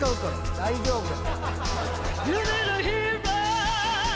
大丈夫や。